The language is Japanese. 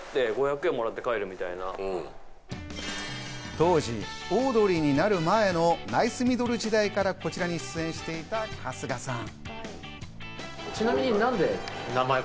当時、オードリーになる前のナイスミドル時代から、こちらに出演していた春日さん。